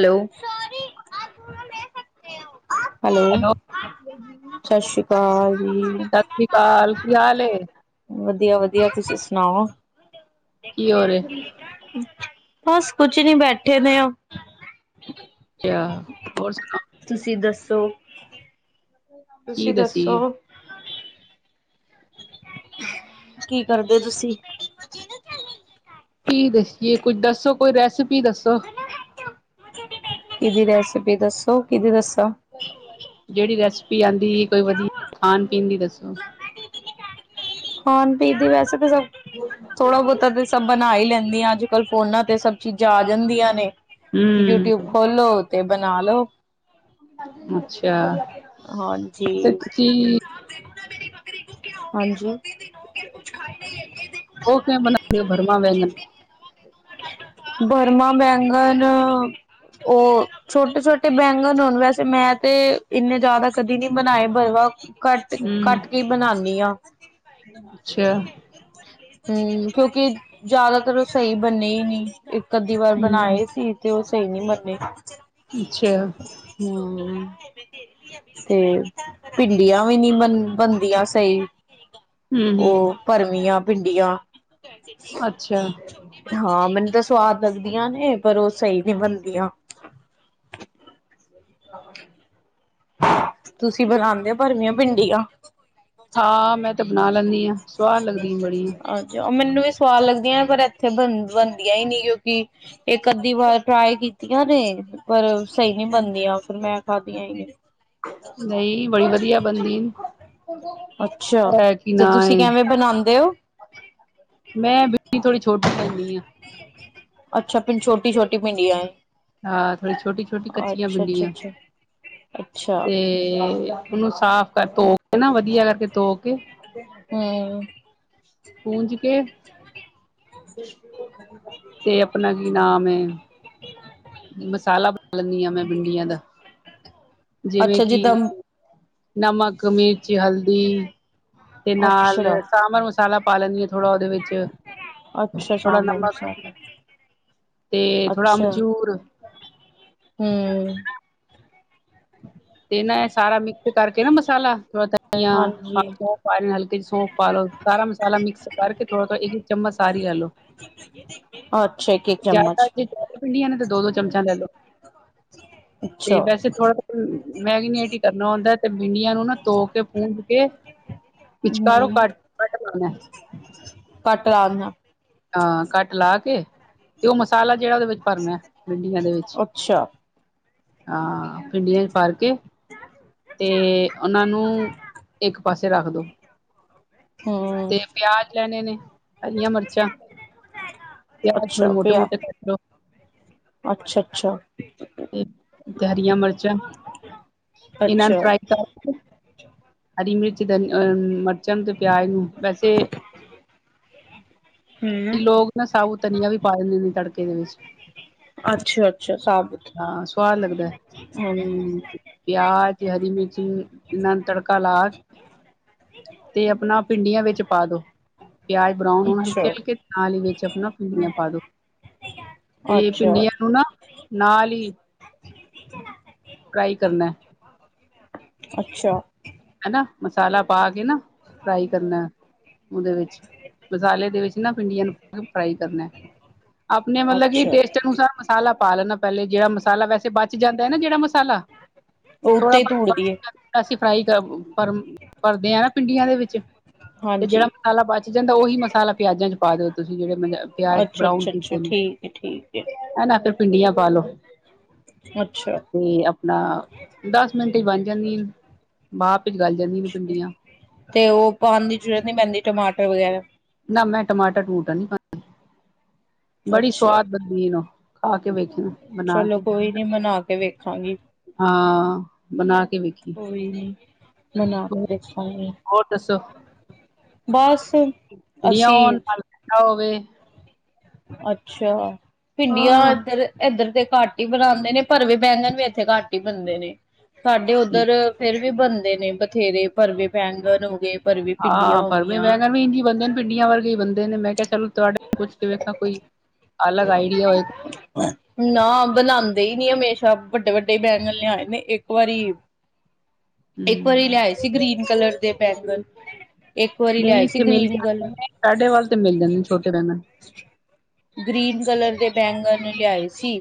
Hello hello hello ਸਸ੍ਰੀ ਅਕਾਲ ਸਸ਼੍ਰੀ ਅਕਾਲ ਕੀ ਹਾਲ ਏ ਵਧੀਆ ਵਧੀਆ ਤੁਸੀਂ ਸੁਣਾਓ ਕੀ ਹੋ ਰਹੇ ਬਸ ਕੁਛ ਨੀ ਬੈਠੇ ਵੇ ਉਹ ਗਿਆ ਹੋਰ ਸੁਣਾਓ ਤੁਸੀਂ ਦੱਸੋ, ਕੀ ਤੁਸੀਂ ਦੱਸੋ ਦਸੀਏ ਕੀ ਕਰਦੇ ਤੁਸੀਂ ਕੀ ਦਸੀਏ ਕੁਝ ਦੱਸੋ ਕੋਈ ਰੈਸਪੀ ਦੱਸੋ ਕੀਹਦੀ ਰੈਸਿਪੀ ਦੱਸੋ ਕੀਹਦੀ ਦੱਸਾਂ ਜਿਹੜੀ ਰੈਸਪੀ ਆਂਦੀ ਕੋਈ ਵਧੀਆ ਖਾਣ ਪੀਣ ਦੀ ਦੱਸੋ ਖਾਣ ਪੀਣ ਦੀ ਵੈਸੇ ਤਾਂ ਸਭ ਥੋੜਾ ਬਹੁਤਾ ਤੇ ਸਭ ਬਣਾ ਹੀ ਲੈਂਦੀ, ਅੱਜ -ਕੱਲ ਫੋਨਾਂ ਤੇ ਸਬ ਚੀਜ਼ਾਂ ਆ ਜਾਂਦੀਆਂ ਨੇ ਯੂਟਿਊਬ ਹੂੰ ਖੋਲੋ ਤੇ ਬਣਾ ਲਓ ਹਾਂਜੀ ਹਾਂਜੀ, ਤੁਸੀਂ ਹਾਂਜੀ ਉਹ ਕਿਵੇਂ ਬਣਾਉਂਦੇ ਬਰਮਾ ਬੈਂਗਨ ਬਰਮਾ ਬੈਂਗਣ ਉਹ ਛੋਟੇ -ਛੋਟੇ ਬੈਂਗਣ ਹੋਣ ਵੈਸੇ ਮੈਂ ਤੇ ਇੰਨੇ ਜ਼ਿਆਦਾ ਕਦੀ ਨੀ ਬਣਾਏ ਭਰਵਾਂ ਕਟ ਤੇ ਕੱਟ ਹੂੰ ਕੇ ਬਣਾਉਦੀ ਆਂ ਅੱਛਾ ਹਮ। ਕਿਉਂਕਿ ਜ਼ਿਆਦਾਤਰ ਉਹ ਸਹੀ ਬਣੇ ਨਹੀਂ। ਇੱਕ ਅੱਧੀ ਵਾਰ ਹੂੰ ਬਣਾਏ ਸੀ। ਤੇ ਉਹ ਸਹੀ ਨਹੀਂ ਬੰਨੇ। ਅੱਛਾ। ਹਾਂ। ਤੇ ਭਿੰਡੀਆਂ ਵੀ ਨੀ ਬਣ ਬਣਦੀਆਂ ਸਹੀ। ਹੂੰ ਹੂੰ ਓ ਭਰਵੀਆਂ ਭਿੰਡੀਆਂ। ਅੱਛਾ। ਹਾਂ। ਮੈਨੂੰ ਤੇ ਸਵਾਦ ਲੱਗਦੀਆਂ ਨੇ ਪਰ ਉਹ ਸਹੀ ਨਹੀਂ ਬਣਦੀਆਂ। [unintelligible] ਤੁਸੀਂ ਬਣਾਉਂਦੇ ਹੋ ਭਰਵੀਆਂ ਭਿੰਡੀਆਂ। ਹਾਂ। ਮੈਂ ਤੇ ਬਣਾ ਲੈਂਦੀ ਹਾਂ। ਸੁਆਦ ਲੱਗਦੀ ਬੜੀ। ਉਹ ਮੈਨੂੰ ਵੀ ਸੁਆਦ ਲੱਗਦੀਆਂ ਪਰ ਇੱਥੇ ਬ ਬਣਦੀਆਂ ਹੀ ਨੀ ਕਿਉਂਕਿ। ਇੱਕ ਅੱਧੀ ਵਾਰ ਟਰਾਈ ਕੀਤੀਆਂ ਨੇ। ਪਰ ਸਹੀ ਨਹੀਂ ਬਣਦੀਆਂ ਫੇਰ ਮੈਂ ਖਾਦੀਆਂ ਹੀ ਨੀਂ। ਨਹੀਂ ਬੜੀ ਵਧੀਆ ਬਣਦੀ। ਅੱਛਾ ਐ ਕਿ ਤੇ ਨਾ ਤੁਸੀਂ ਏ ਕਿਵੇਂ ਬਣਾਉਂਦੇ ਹੋ ਮੈਂ ਭਿੰਡੀ ਥੋੜ੍ਹੀ ਛੋਟੀ [unintelligible] ਲੈਂਦੀ ਹਾਂ। ਅੱਛਾ ਫਿਰ ਛੋਟੀ ਛੋਟੀ ਭਿੰਡੀਆਂ ਹਾਂ ਥੋੜੀ ਛੋਟੀ-ਛੋਟੀ ਹੈ ਕੱਚੀਆਂ ਅੱਛਾ ਅੱਛਾ ਭਿੰਡੀਆ ਅੱਛਾ ਅੱਛਾ ਤੇ ਉਹਨੂੰ ਸਾਫ਼ ਕਰਕੇ ਧੋ ਕੇ ਨਾ ਵਦੀਆ ਕਰਕੇ ਧੋ ਕੇ ਹੰ ਪੂੰਝ ਕੇ। ਤੇ ਅਪਨਾ ਕੀ ਨਾਮ ਏ ਹ। [inaudible] ਮਸਾਲਾ ਬਣਾ ਲੈਂਨੀ ਆ ਮੈਂ ਬਿੰਡੀਆਂ ਦਾ ਜਿਵੇਂ ਅੱਛਾ ਕਿ ਜਿੱਦਾਂ ਨਮਕ, ਮਿਰਚ, ਹਲਦੀ। ਤੇ ਨਾਲ ਅੱਛਾ ਸਾਂਭਰ ਮਸਾਲਾ ਪਾ ਲੈਂਨੀ ਆ ਥੋੜ੍ਹਾ ਉਹਦੇ ਵਿੱਚ ਅੱਛਾ ਥੋੜਾ ਸਾਂਬਰ ਨਮਕ ਮਸਾਲਾ ਤੇ ਥੋੜਾ ਅਮਚੂਰ ਹੰ ਤੇ ਨਾ ਇਹ ਸਾਰਾ ਮਿਕਸ ਕਰਕੇ ਨਾ ਮਸਾਲਾ ਥੋੜਾ ਧਨੀਆ ਹਾਂਜੀ। ਨਾਲੇ ਹਲਕਾ ਜਿ ਸੌਂਫ ਪਾ ਲੋ, ਸਾਰਾ ਮਸਾਲਾ ਮਿਕਸ ਕਰਕੇ ਥੋੜ੍ਹਾ ਥੋੜ੍ਹਾ ਚਮਚ ਸਾਰੀ ਲੇਲੋ ਅੱਛਾ ਇੱਕ-ਇੱਕ ਚਮਚ ਜਾਦਾ ਭਿੰਡੀਆਂ ਨੇ ਤੇ ਦੋ ਦੋ ਚਮਚਾ ਲੈ ਲੋ ਅੱਛਾ ਤੇ ਵੈਸੇ ਥੋੜਾ ਮੈਰੀਨੇਟ ਹੀ ਕਰਨਾ ਹੁੰਦਾ, ਤੇ ਭਿੰਡੀਆ ਨੂੰ ਨਾ ਧੋ ਕੇ ਪੂੰਜ ਕੇ ਵਿਚਕਾਰੋਂ ਹੰ ਕੱਟ ਕੱਟ ਲਾਣਾ ਕੱਟ ਲਾ ਦੇਨਾ ਹਾਂ ਕੱਟ ਲਾ ਕੇ ਤੇ ਉਹ ਮਸਾਲਾ ਜਿਹੜਾ ਉਹਦੇ ਵਿੱਚ ਭਰਨਾ ਏ, ਭਿੰਡੀਆਂ ਦੇ ਵਿੱਚ ਅੱਛਾ ਹਾਂ ਭਿਡੀਆਂ ਚ ਭਰਕੇ, ਤੇ ਉਹਨਾਂ ਨੂੰ ਇੱਕ ਪਾਸੇ ਰੱਖ ਦੋ ਹੂੰ, ਤੇ ਪਿਆਜ ਲੈਨੇ ਨੇ ਹਰੀਆਂ ਮਿਰਚਾਂ ਪਿਆਜ ਥੋੜੇ ਅੱਛਾ ਮੋਟੇ ਮੋਟੇ ਕੱਟ ਲਓ ਅੱਛਾ- ਅੱਛਾ। ਤੇ ਹਰੀਆਂ ਮਿਰਚਾਂ ਇਹਨਾਂ ਨੂੰ ਅੱਛਾ ਫਰਾਈ ਕਰ ਹਰੀ ਮਿਰਚਾਂ ਤੇ ਪਿਆਜ ਨੂੰ ਵੈਸੇ ਹੰ ਕਈ ਲੋਕ ਨਾ ਸਬੂਤ ਧਨੀਆ ਵੀ ਪਾ ਦਿੰਦੇ ਨੇ ਤੜਕੇ ਦੇ ਵਿੱਚ ਅੱਛਾ, ਅੱਛਾ, ਸਾਬਤ ਹਾਂ ਸਵਾਦ ਲੱਗਦਾ ਹੰ ਪਿਆਜ, ਹਰੀ ਮਿਰਚੀ ਇਹਨਾਂ ਨੂੰ ਤੜਕਾ ਲਾ ਕੇ ਤੇ ਅਪਣਾ ਭਿੰਡੀਆਂ ਵਿੱਚ ਪਾ ਦੋ, ਪਿਆਜ ਬਰਾਊਨ ਹੋਣ ਅੱਛਾ। ਹਲਕੇ-ਹਲਕੇ ਨਾਲ ਹੀ ਵਿੱਚ ਅਪਣਾ, ਭਿੰਡੀਆਂ ਪਾ ਦੋ ਤੇ ਪਿੰਡੀਆਂ ਅੱਛਾ-ਅੱਛਾ, ਨੂੰ ਨਾ ਨਾਲ ਹੀ ਫਰਾਈ ਕਰਨਾ [unintelligible] ਅੱਛਾ ਹੈਨਾ ਮਸਾਲਾ ਪਾ ਕੇ ਨਾ ਫਰਾਈ ਕਰਨਾ ਉਹਦੇ ਵਿੱਚ ਮਸਾਲੇ ਦੇ ਵਿੱਚ ਨਾ ਭਿੰਡੀਆਂ ਨੂੰ ਪਾ ਕੇ ਫਰਾਈ ਕਰਨਾ ਆਪਣੇ ਮਤਲਬ ਕਿ ਅੱਛਾ, ਟੇਸਟ ਅਨਸਾਰ ਮਸਾਲਾ ਪਾ ਲੈਣਾ ਪਹਿਲੇ ਜਿਹੜਾ ਮਸਾਲਾ ਵੈਸੇ ਬਾ ਬਚ ਜਾਂਦਾ ਏ ਨਾ ਜਿਹੜਾ ਮਸਾਲਾ ਉਹ ਥੋੜਾ ਉੱਥੇ ਹੀ ਬਚ ਧੂੜ ਦੀਏ ਬਚ ਅਸੀਂ ਫਰਾਈ ਕਰ ਭਰਦੇ ਹਾ ਨਾ ਪਿੰਡੀਆਂ ਦੇ ਵਿੱਚ ਤੇ ਹਾਂਜੀ। ਜਿਹੜਾ ਮਸਾਲਾ ਬਚ ਜਾਂਦਾ ਉਹੀ ਮਸਾਲਾ ਪਿਆਜਾਂ ਚ ਪਾ ਦਿਓ ਤੁਸੀਂ ਜਿਹੜੇ ਪਿਆਜ਼ ਬਰਾਊਨ ਅੱਛਾ-ਅੱਛਾ-ਅੱਛਾ ਕੀਤੇ ਨੇ, ਠੀਕ ਏ, ਠੀਕ ਏ ਐਨਾ ਕੇ ਭਿੰਡੀਆਂ ਪਾ ਲੋੋ ਅੱਛਾ! 'ਤੇ ਆਪਣਾ ਦਸ ਮਿੰਟ 'ਚ ਬਣ ਜਾਂਦੀਆਂ, ਭਾਫ਼ ਵਿੱਚ ਗਲ ਜਾਂਦੀਆਂ ਨੇ ਭਿੰਡੀਆਂ। 'ਤੇ ਓ ਪਾਣ ਦੀ ਜ਼ਰੂਰਤ ਨੀ ਪੈਂਦੀ ਟਮਾਟਰ ਵਗੈਰਾ। ਨਾ ਮੈਂ ਟਮਾਟਰ ਟਮੂਟਰ ਨੀ ਪਾਂ, ਬੜੀ ਅੱਛਾ। ਸਵਾਦ ਵਧ ਵੀ ਨੋ ਖਾ ਕੇ ਵੇਖਣਾ। ਬਣਾ ਚਲੋ ਕੇ ਕੋਈ ਨੀ ਮਨਾ ਕੇ ਵੇਖਾਂਗੀ। ਹਾਂ ਬਣਾ ਕੇ ਵੇਖੀ। ਕੋਈ ਨੀ ਬਣਾ ਕੇ ਦੇਖਾਂਗੇ, ਹੋਰ ਬਸ ਡੀਆਂ ਅਸੀਂ ਹੋਣ [unintelligible] ਹੋਵੇ। ਅੱਛਾ ਭਿੰਡੀਆਂ ਹਾਂ ਏਧਰ, ਏਧਰ 'ਤੇ ਘੱ ਟ ਈ ਬਣਾਂਦੇ ਨੇ ਪਰ ਵੇ ਵੈਗਣ ਵੀ ਏਥੇ ਘੱਟ ਈ ਬਣਦੇ ਨੇ, ਸਾਡੇ ਉੱਧਰ ਫੇਰ ਵੀ ਬਨਦੇ ਨੇ ਬਥੇਰੇ ਭਰਵੇ ਬੈਂਗਨ ਹੋਗੇ। ਹਾਂ ਭਰਮੇ ਬੈਂਗਣ ਵੀ ਇੰਝ ਈ ਬਣਦੇ ਭਿੰਡੀਆ ਵਰਗੇ ਈ ਬਨਦੇ ਨੇ ਮੈਂ ਕੇਆ ਚਲੋ ਤੁਹਾਡੇ ਪੁੱਛ ਕੇ ਵੇਖਾਂ ਕੋਈ ਅਲੱਗ ਆਈਡੀਆ ਉਏ। ਨਾ ਬਣਾਂਦੇ ਈ ਨੀ ਹਮੇਸ਼ਾ ਵੱਡੇ-ਵੱਡੇ ਈ ਬੈਂਗਨ ਲਿਆਏ ਨੇ ਇੱਕ ਵਾਰੀ ਹੂੰ ਇੱਕ ਵਾਰੀ ਲਿਆਏ ਸੀ ਗ੍ਰੀਨ ਕਲਰ ਦੇ ਬੈਂਗਨ। ਇੱਕ ਵਾਰੀ ਨਹੀਂ ਲਿਆਏ ਸੀ ਇੱਥੇ ਮਿਲ ਗ੍ਰੀਨ ਜਾਂਦੇ ਕਲਰ ਨੇ ਸਾਡੇ ਵੱਲ 'ਤੇ ਮਿਲਦਾ ਨੀ ਛੋਟੇ ਬੈਂਗਨ। ਗ੍ਰੀਨ ਕਲਰ ਦੇ ਬੈਂਗਣ ਲਿਆਏ ਸੀ।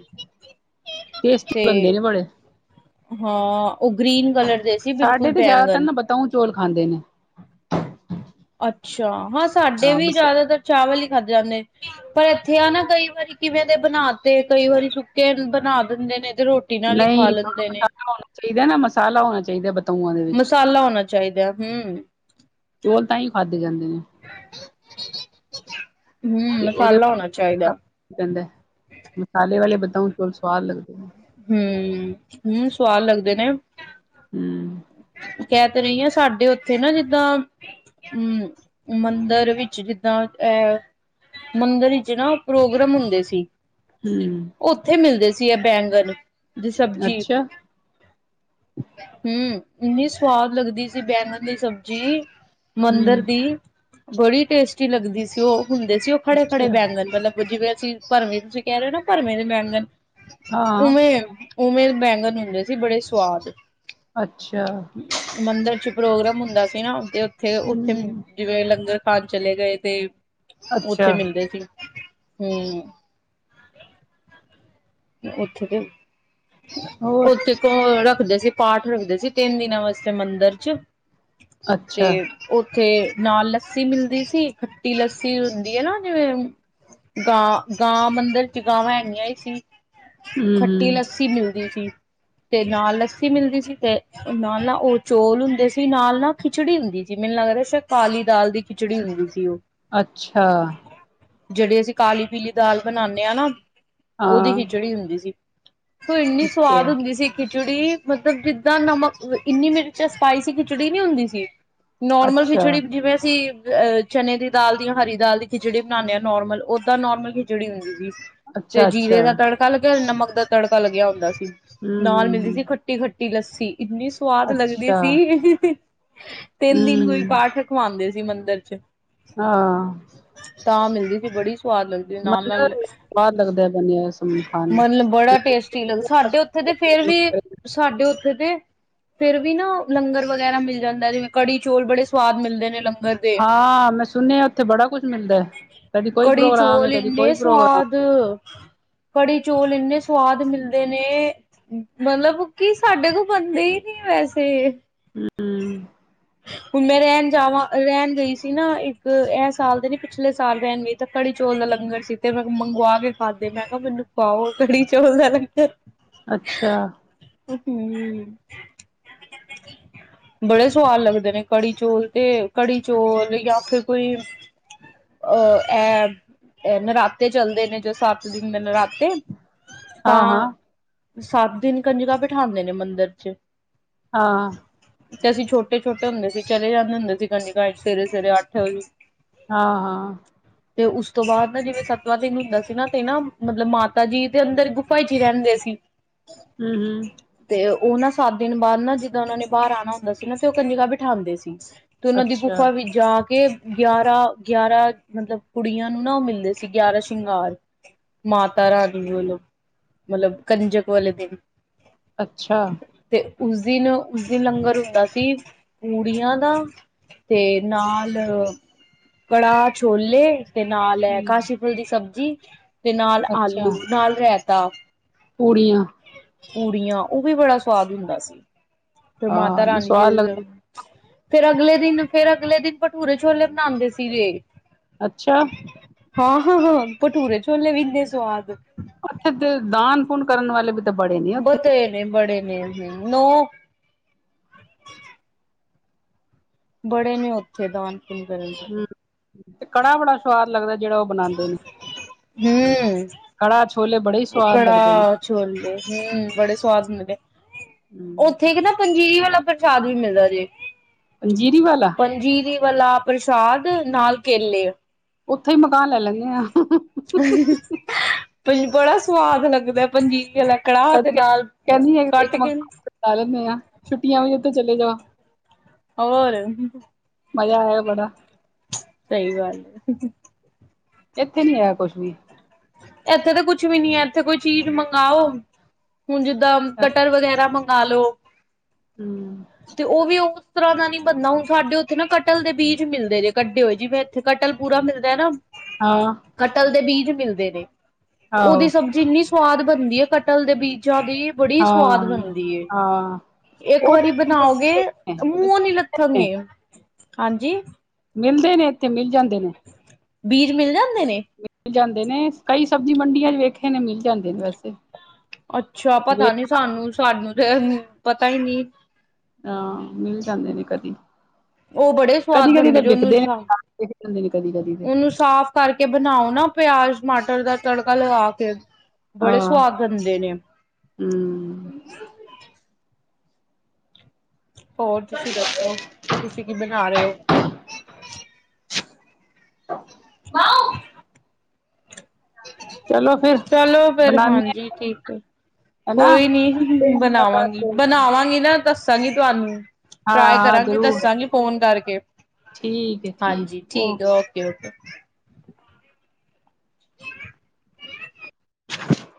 ਟੇਸਟੀ ਤੇ ਬਣਦੇ ਨੇ ਬੜੇ। ਹਾਂ ਓ ਗ੍ਰੀਨ ਕਲਰ ਦੇ ਸੀ ਸਾਡੇ ਬਿਲਕੁਲ 'ਤੇ ਜ਼ਿਆਦਾਤਰ ਬੈਂਗਨ ਨਾ ਬਤਾਉ, ਚੌਲ ਖਾਂਦੇ ਨੇ। ਅੱਛਾ ਹਾਂ ਸਾਡੇ ਹਾਂ ਵੀ ਬਸ ਜ਼ਿਆਦਾਤਰ ਚਾਵਲ ਈ ਖਾਂਦੇ ਜਾਂਦੇ। ਪਰ ਐਥੇ ਆ ਨਾ ਕਈ ਵਾਰੀ ਕਿਵੇਂ ਦੇ ਬਣਾ 'ਤੇ ਕਈ ਵਾਰੀ ਸੁੱਕੇ ਬਣਾ ਦਿੰਦੇ ਨੇ 'ਤੇ ਰੋ ਨਈ ਮਸਾਲਾ ਹੋਣਾ ਚਾਈਦਾ ਨਾ ਮਸਾਲਾ ਹੋਣਾ ਚਾਈਦਾ ਬਤਾਊਆ ਦੇ ਵਿੱਚ। ਸਾਲਾ ਹੋਣਾ ਚਾਈਦਾ ਹੂੰ ਚੌਲ ਤਾਂ ਈ ਖਾਧੇ ਜਾਂਦੇ ਨੇ। ਹੂੰ ਮਸਾਲਾ ਹੋਣਾ ਚਾਈਦਾ। ਓ ਕੈਂਦੈ, ਮਸਾਲੇ ਵਾਲੇ ਬਤਾਉ, ਚੋਲ ਸਵਾਦ ਲੱਗਦੇ ਨੇ। ਹੂੰ, ਹੂੰ ਸਵਾਦ ਲੱਗਦੇ ਨੇ। ਹੂੰ ਕੈ ਤਾਂ ਰੀਆ ਸਾਡੇ ਉੱਥੇ ਨਾ ਜਿੱਦਾਂ ਹੂੰ ਮੰਦਰ ਵਿੱਚ ਜਿੱਦਾਂ ਐ, ਮੰਦਰ ਵਿਚ ਨਾ ਪ੍ਰੋਗਰਾਮ ਹੁੰਦੇ ਸੀ, ਹੂੰ ਉੱਥੇ ਮਿਲਦੇ ਸੀ ਐ ਬੈਂਗਣ ਦੀ ਸਬਜ਼ੀ। ਅੱਛਾ ਹੂੰ ਇੰਨੀ ਸਵਾਦ ਲੱਗਦੀ ਸੀ ਬੈਂਗਣ ਦੀ ਸਬਜ਼ੀ ਮੰਦਰ ਹੂੰ ਦੀ, ਬੜੀ ਟੇਸਟੀ ਲੱਗਦੀ ਸੀ ਓ ਹੁੰਦੇ ਸੀ ਓ ਖੜੇ-ਖੜੇ ਅੱਛਾ ਬੈਂਗਣ ਮਤਲਬ ਜਿਵੇਂ ਅਸੀਂ ਭਰਮੇ ਤੁਸੀਂ ਕੈ ਰੇ ਓ ਨਾ ਭਰਮੇ ਜੇ ਬੈਂਗਨ ਹਾਂ ਉਵੇਂ, ਉਵੇਂ ਦੇ ਬੈਂਗਣ ਹੁੰਦੇ ਸੀ ਬੜੇ ਸਵਾਦ। ਅੱਛਾ। ਮੰਦਰ 'ਚ ਪ੍ਰੋਗਰਾਮ ਹੁੰਦਾ ਸੀ ਨਾ 'ਤੇ ਉੱਥੇ, ਉੱਥੇ ਹੂੰ ਜਿਵੇਂ ਲੰਗਰ ਖਾਨ ਚਲੇ ਗਏ 'ਤੇ ਉੱਥੇ ਅੱਛਾ ਮਿਲਦੇ ਸੀ, ਹੂੰ। ਉੱਥੇ ਤੇ ਹੋਰ ਉੱਥੇ ਵ ਰੱਖਦੇ ਸੀ, ਪਾਠ ਰੱਖਦੇ ਸੀ ਤਿੰਨ ਦਿਨਾਂ ਵਾਸਤੇ ਮੰਦਰ 'ਚ ਤੇ ਅੱਛਾ ਉੱਥੇ ਨਾਲ ਲੱਸੀ ਮਿਲਦੀ ਸੀ, ਖੱਟੀ ਲੱਸੀ ਹੁੰਦੀ ਹੈ ਨਾ ਜਿਵੇਂ ਗਾਂ -ਗਾਂ ਮੰਦਿਰ ਚ ਗਾਵਾਂ ਹੈਗੀਆਂ ਹੀ ਸੀ। ਖੱਟੀ ਹੂੰ ਲੱਸੀ ਮਿਲਦੀ ਸੀ ਤੇ ਨਾਲ ਲੱਸੀ ਮਿਲਦੀ ਸੀ ਤੇ ਨਾਲ ਨਾ ਓ ਚੌਲ ਹੁੰਦੇ ਸੀ, ਨਾਲ ਨਾ ਖਿਚੜੀ ਹੁੰਦੀ ਸੀ, ਮੈਨੂੰ ਲੱਗਦਾ ਸ਼ੈੱਦ ਕਾਲੀ ਦਾਲ ਦੀ ਖਿਚੜੀ ਹੁੰਦੀ ਸੀ ਓ। ਅੱਛਾ! ਜਿਹੜੀ ਅਸੀਂ ਕਾਲੀ- ਪੀਲੀ ਦਾਲ ਬਣਾਨੇ ਆ ਨਾ, ਉਹਦੀ ਹਾਂ ਖਿਚੜੀ ਹੁੰਦੀ ਸੀ। ਓ ਇੰਨੀ ਸਵਾਦ ਅੱਛਾ ਹੁੰਦੀ ਸੀ ਖਿਚੜੀ ਮਤਲਬ ਜਿੱਦਾਂ ਨਮਕ ਇੰਨੀ ਮਿਰਚ ਸਪਾਈਸੀ ਖਿਚੜੀ ਨੀ ਹੁੰਦੀ ਸੀ। ਨੋਰਮਲ ਅੱਛਾ ਖਿਚੜੀ ਜਿਵੇਂ ਅਸੀਂ ਅ ਚਨੇ ਦੀ ਦਾਲ ਦੀ, ਹਰੀ ਦਾਲ ਦੀ ਖਿਚੜੀ ਬਣਾਨੇ ਆ ਨੋਰਮਲ, ਓਦਾਂ ਨੋਰਮਲ ਖਿਚੜੀ ਹੁੰਦੀ ਸੀ। ਤੇ ਅੱਛਾ ਜੀਰੇ ਅੱਛਾ ਦਾ ਤੜਕਾ ਲੱਗਿਆ, ਨਮਕ ਦਾ ਤੜਕਾ ਲੱਗਿਆ ਹੁੰਦਾ ਸੀ, ਨਾਲ ਮਿਲਦੀ ਹੂੰ ਸੀ ਖ ਟੀ-ਖੱਟੀ ਲੱਸੀ, ਇੰਨੀ ਸਵਾਦ ਲੱਗਦੀ ਅੱਛਾ ਸੀ, ਤਿੰਨ ਦਿਨ ਕੋਈ ਹੂੰ ਪਾਠ ਰਖਵਾਉਂਦੇ ਸੀ ਮੰਦਿਰ 'ਚ ਹਾਂ। ਤਾਂ ਮਿਲਦੀ ਸੀ ਬੜੀ ਸਵਾਦ ਲੱਗਦੀ ਮਲਬ ਨਾਲ-ਨਾਲ ਸਵਾਦ ਲੱਗਦਾ ਬਣਿਆ ਸੀ। ਮਤਲਬ ਬੜਾ ਟੇਸਟੀ ਲੱਗਦਾ, ਸਾਡੇ ਉੱਥੇ ਤੇ ਫਿਰ ਵੀ ਸਾਡੇ ਉੱਥੇ ਤੇ ਫੇਰ ਵੀ ਨਾ ਲੰਗਰ ਵਗੈਰਾ ਮਿਲ ਜਾਂਦਾ, ਜਿਵੇਂ- ਕੜੀ-ਚੋਲ ਬੜੇ ਸਵਾਦ ਮਿਲਦੇ ਨੇ ਲੰਗਰ ਦੇ ਹਾਂ, ਮੈਂ ਸੁਨਿਆ ਉੱਥੇ ਬੜਾ ਕੁਛ ਮਿਲਦਾ ਏ, ਕਦੀ ਕੋਈ ਪ੍ਰੋਗਰਾਮ ਹੈ, ਕਦੀ ਕੋਈ ਪ੍ਰੋਗਰਾਮ। ਪੀਓ ਕੜੀ ਚੌਲ ਇੰਨੇ ਸਵਾਦ ਮਿਲਦੇ ਨੇ ਮਲਬ ਕੀ ਸਾਡੇ ਕੋਲ ਬਣਦੇ ਹੀ ਨੀ ਵੈਸੇ। ਹੂ। ਹੁਣ ਮੈਂ ਰਹਿਣ ਜਾਵਾਂ, ਰਹਿਣ ਗਈ ਸੀ ਨਾ, ਇੱਕ ਐ ਸਾਲ ਦੇ ਨੀ, ਪਿਛਲੇ ਸਾਲ ਰਹਿਣ ਗਈ ਤੇ ਕੜੀ ਚੌਲ ਦਾ ਲੰਗਰ ਸੀ ਤੇ ਮੈਂ ਮੰਗਵਾ ਕੇ ਖਾਧੇ। ਮੈਂ ਕਿਹਾ ਮੈਨੂੰ ਪਾਓ ਕੜੀ ਚੋਲ ਦਾ ਲੰਗਰ। ਅੱਛਾ! ਹੂ। ਬੜੇ ਸਆਦ ਲਗਦੇ ਨੇ ਕੜ੍ਹੀ-ਚੌਲ ਤੇ ਕੜੀ- ਚੌਲ ਜਾਂ ਫਿਰ ਕੋਈ ਓ ਐ, ਇਹ ਨਰਾਤੇ ਚੱਲਦੇ ਨੇ, ਜੋ ਸੱਤ ਦਿਨ ਦੇ ਨਰਾ ਤੇ, ਹਾਂ ਤਾਂ ਹਾਂ ਸੱਤ ਦਿਨ ਕੰਜਕਾਂ ਬਿਠਾਦੇ ਦ ਨੇ ਮੰਦਿਰ ਚ। ਹਾਂ। ਤੇ ਅਸੀਂ ਛੋਟੇ- ਛੋਟੇ ਹੁੰਦੇ ਸੀ ਚਲੇ ਜਾਂਦੇ ਹੁੰਦੇ ਸੀ ਕੰਜਕਾਂ ਚ ਸਵੇਰੇ- ਸਵੇਰੇ ਅੱਠ ਵਜੇ ਹਾਂ-ਹਾਂ। ਤੇ ਉਸ ਤੋਂ ਬਾਦ ਨਾ ਜਿਵੇਂ ਸਤਵਾਂ ਦਿਨ ਹੁੰਦਾ ਸੀ ਨਾ ਤੇ ਨਾ ਮਤਲਬ ਮਾ ਤਾ ਜੀ ਤੇ ਅੰਦਰ ਗੁਫਾ ਚ ਹੀ ਰਹਿੰਦੇ ਸੀ ਹੂ, ਹੂ ਤੇ ਉਹ ਨਾ ਸੱਤ ਦਿਨ ਬਾਦ ਨਾ ਜਿੱਦਾਂ ਉਹਨਾਂ ਨੇ ਬਾਰ ਆਣਾ ਹੁੰਦਾ ਸੀ, ਨਾ ਤੇ ਉਹ ਕੰਜਕਾ ਬਿਠਾਦੇ ਸੀ। ਤੇ ਓਨਾ ਦੀ ਅੱਛਾ ਗੁਫਾ ਵਿੱਚ ਜਾ ਕੇ ਗਿਆਰਾਂ -ਗਿਆਰਾਂ ਮਤਲਬ ਕੁੜੀਆਂ ਨੂੰ ਨਾ ਉਹ ਮਿਲਦੇ ਸੀ, ਗਿਆਰਾਂ ਸ਼ਿੰਗਾਰ। ਮਾਤਾ ਰਾਣੀ ਵਲੋਂ, ਮਲਬ ਕੰਜਕ ਵਾਲੇ ਦਿਨ। ਅੱਛਾ! ਤੇ ਉਸ ਦਿਨ, ਉਸ ਦਿਨ ਲੰਗਰ ਹੁੰਦਾ ਸੀ ਪੂਰੀਆਂ ਦਾ ਤੇ ਨਾਲ, ਕੜਾਹ- ਛੋਲੇ ਤੇ ਨਾਲ ਐ ਹੂੰ। ਕਾਸੀ ਫੁਲ ਦੀ ਸਬਜ਼ੀ ਤੇ ਨਾਲ ਆਲੂ, ਅੱਛਾ, ਨਾਲ ਰੈਤਾ। ਪੂੜੀਆਂ। ਪੂੜੀਆਂ, ਓਹ ਵੀ ਬੜਾ ਸਵਾਦ ਹੁੰਦਾ ਸੀ। ਫੇਰ ਮਾਤਾ ਹਾਂ ਨਾ ਰਾਣੀ ਸਵਾਦ ਗੇ ਜਲ ਲੱਗਦਾ ਫੇਰ ਅਗਲੇ ਦਿਨ, ਫੇਰ ਅਗਲੇ ਦਿਨ ਭਠੂਰੇ-ਛੋਲੇ ਬਣਾਂਦੇ ਸੀਗੇ। ਅੱਛਾ। ਹਾਂ ਹਾਂ ਹਾਂ, ਭਟੂਰੇ-ਛੋਲੇ ਵੀ ਇਨੇ ਸਵਾਦ। ਓਥੇ ਤੇ ਦਾਨ-ਪੂਨ ਕਰਨ ਵਾਲੇ ਵੀ ਤੇ ਬੜੇ ਨੇ ਓਥੇ। ਤੇ ਨੇ ਬੜੇ ਨੇ, ਨੋ ਬੜੇ ਨੇ ਓਥੇ ਦਾਨ-ਪੂਨ ਕਰਨ ਵਾਲੇ। ਹੂੰ ਤੇ ਕੜਾ ਬੜਾ ਸਵਾਦ ਲੱਗਦੈ ਜੇੜਾ ਓਹ ਬਣਾਦੇ ਨੇ। ਹੂੰ ਕੜਾ-ਛੋਲੇ ਬੜੇ ਈ ਸਵਾਦ ਲੱਗਦੇ ਨੇ। ਕੜਾਹ ਛੋਲੇ ਹੂੰ, ਬੜੇ ਸਵਾਦ ਹੁੰਦੇ ਨੇ। ਹੂੰ ਓਥੇ ਇਕ ਨਾ ਪੰਜੀਰੀ ਵਾਲਾ ਪ੍ਰਸ਼ਾਦ ਵੀ ਮਿਲਦਾ ਜੇ। ਪੰਜੀਰੀ ਵਾਲਾ? ਪੰਜੀਰੀ ਵਾਲਾ ਪ੍ਰਸ਼ਾਦ ਨਾਲ ਕੇਲੇ। ਉੱਥੇ ਈ ਮਕਾਨ ਲੱਲ ਲੈਣੇ ਆਂ। ਪਈ ਬੜਾ ਸਵਾਦ ਲੱਗਦੈ ਪੰਜੀਰੀ ਆਲਾ ਕੜਾਹ ਤੇ ਕਦੀ ਕ ਨਾਲ ਕਹਿੰਦੀ ਕੱਟ ਇੱਕ ਕੇ ਮਕਾਨ ਲਾ ਲੇਣੇ ਆਂ, ਛੁੱਟੀਆਂ ਵੀ ਓਥੋਂ ਚਲੇ ਜਾਓ। ਔਰ। ਮਜ਼ਾ ਆਇਐ ਬੜਾ। ਸਹੀ ਗੱਲ ਏ। ਏਥੇ ਨੀ ਹੈਗਾ ਕੁਛ ਵੀ। ਏਥੇ ਤੇ ਕੁਛ ਵੀ ਨੀ ਐ, ਏਥੇ ਕੋਈ ਚੀਜ਼ ਮੰਗਾਓ- ਹੁਣ ਜਿੱਦਾਂ ਕਟਰ ਵਗੈਰਾ ਮੰਗਾ ਲੋ, ਹੂੰ ਤੇ ਓਹ ਵੀ ਓਸ ਤਰ੍ਹਾਂ ਦਾ ਨੀ ਬਣਣਾ। ਹੁਣ ਸਾਡੇ ਓਥੇ ਨਾ ਕਟਲ ਦੇ ਬੀਜ ਮਿਲਦੇ ਜੇ ਕੱਢੇ ਹੋਏ, ਜਿਵੇਂ ਐਥੇ ਕਟਲ ਪੂਰਾ ਮਿਲਦੈ ਨਾ। ਹਾਂ। ਕਟਲ ਦੇ ਬੀਜ ਮਿਲਦੇ ਨੇ। ਓਹਦੀ ਆਹੋ ਸਬਜ਼ੀ ਇੰਨੀ ਸਵਾਦ ਬਣਦੀ ਏ, ਕਟਲ ਦੇ ਬੀਜਾਂ ਦੀ। ਬੜੀ ਸਵਾਦ ਹਾਂ ਬਣਦੀ ਏ। ਹਾਂ ਇੱਕ ਉਹ ਵਾਰੀ ਬਣਾਓਗੇ, ਮੂੰਹੋ ਨੀ ਤੇ ਲੱਥਣਗੇ, ਹਾਂਜੀ। ਮਿਲਦੇ ਨੇ ਏਥੇ, ਮਿਲ ਜਾਂਦੇ ਨੇ। ਬੀਜ ਮਿਲ ਜਾਂਦੇ ਨੇ ਮਿਲ ਜਾਂਦੇ ਨੇ, ਕਈ ਸਬਜ਼ੀ ਮੰਡੀਆਂ ਚ ਵੇਖੇ ਨੇ ਮਿਲ ਜਾਂਦੇ ਨੇ ਵੈਸੇ। ਅੱਛਾ, ਪਤਾ ਨੀ ਵੇਖ ਸਾਨੂੰ, ਸਾਨੂੰ ਤੇ ਪਤਾ ਈ ਨੀ। ਆਂ, ਮਿਲ ਜਾਂਦੇ ਨੇ ਕਦੀ। ਉਹ ਬੜੇ ਸਵਾਦ ਕਦੀ-ਕਦੀ ਤੇ ਬਣਦੇ ਜੇ ਬਿਖਦੇ ਨੇ, ਬਿਖ ਜਾਂਦੇ ਨੇ ਕਦੀ-ਕਦੀ ਤੇ। ਸਾਫ ਕਰਕੇ ਬਣਾਓ ਨਾ, ਪਿਆਜ਼-ਟਮਾਟਰ ਦਾ ਤੜਕਾ ਲਗਾ ਕੇ ਬੜੇ ਸੁਆਦ ਬਣਦੇ ਨੇ। ਹੂੰ। ਹੋਰ ਤੁਸੀਂ ਦੱਸੋ, ਤੁਸੀਂ ਕੀ ਬਣਾ ਰੇ ਓ? [inaudible] ਚਲੋ ਫਿਰ ਚਲੋ ਫੇਰ, ਬਣਾਨੇ ਹਾਂਜੀ ਆ ਠੀਕ ਏ। ਹਨਾ ਕੋਈ ਨੀ, ਮੁਲਾਕਾਤ ਬਣਾਵਾਂਗੀ। ਹੋਏਗੀ, ਬਣਾਵਾਂਗੀ ਨਾ ਦੱਸਾਂਗੀ ਤੁਆਨੂੰ। ਟਰਾਈ ਹਾਂ ਕਰਾਂਗੀ, ਜ਼ਰੂਰ ਦੱਸਾਂਗੀ ਫੋਨ ਕਰਕੇ, ਠੀਕ ਹੈ ਹਾਂਜੀ ਓਕੇ ਠੀਕ ਏ, ਓਕ ਕੇ ਓਕੇ। [inaudible]